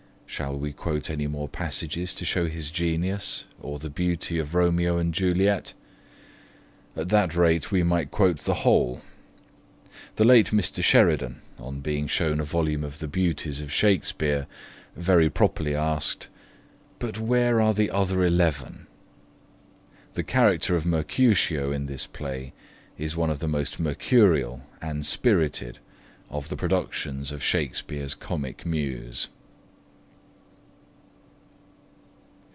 Shall we quote any more passages to show his genius or the beauty of ROMEO AND JULIET? At that rate, we might quote the whole. The late Mr. Sheridan, on being shown a volume of the Beauties of Shakespeare, very properly asked 'But where are the other eleven?' The character of Mercutio in this play is one of the most mercurial and spirited of the productions of Shakespeare's comic muse.